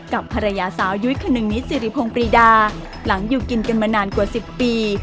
กับภรรยาสาวยุ้ยคนึงนิดสิริพงศ์ปรีดาหลังอยู่กินกันมานานกว่า๑๐ปี